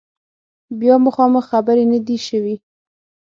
بیا مخامخ خبرې نه دي شوي